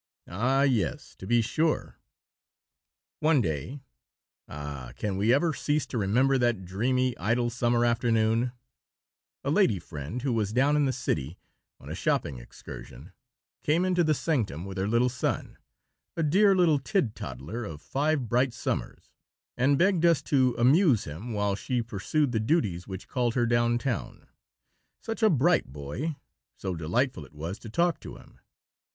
Ah, yes, to be sure. One day ah, can we ever cease to remember that dreamy, idle, summer afternoon a lady friend, who was down in the city on a shopping excursion, came into the sanctum with her little son, a dear little tid toddler of five bright summers, and begged us to amuse him while she pursued the duties which called her down town. Such a bright boy; so delightful it was to talk to him.